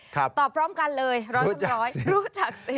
ตอบพร้อมกันเลยร้อยละร้อยรู้จักสิ